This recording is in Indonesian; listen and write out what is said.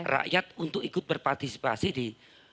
rakyat untuk ikut berpartisipasi di